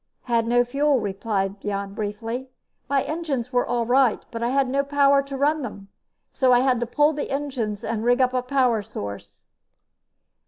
"Had no fuel," replied Jan briefly. "My engines were all right, but I had no power to run them. So I had to pull the engines and rig up a power source."